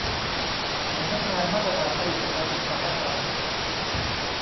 สำนักงานมาตรฐานผลิตภัณฑ์อุตสาหกรรม